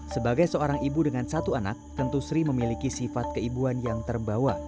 sebagai seorang ibu dengan satu anak tentu sri memiliki sifat keibuan yang terbawa